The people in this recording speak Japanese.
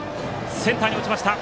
センターに落ちました。